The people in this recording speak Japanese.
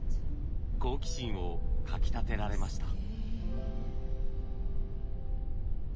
好奇心をかきたてられました。